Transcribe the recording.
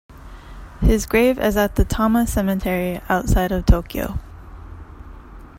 His grave is at the Tama Cemetery, outside of Tokyo.